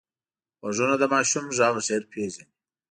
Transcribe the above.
غوږونه د ماشوم غږ ژر پېژني